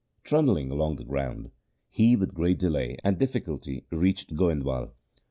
Trundling along the ground, he with great delay and difficulty reached Goindwal.